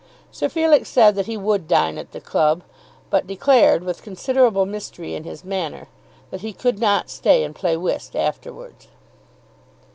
Sir Felix said that he would dine at the club, but declared, with considerable mystery in his manner, that he could not stay and play whist afterwards.